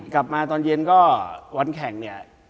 กลับมาตอนเย็นก็วันแข่งเนี่ย